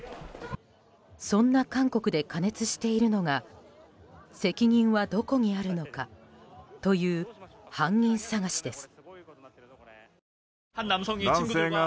そんな韓国で過熱しているのが責任はどこにあるのかという犯人捜しです。